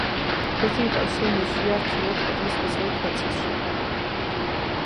ერთი მსგავსი ნიშია ჩრდილოეთ კედლის დასავლეთ ნაწილში.